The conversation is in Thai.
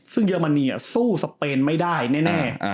ซึ่งเยอรมนีสู้สเปนไม่ได้แน่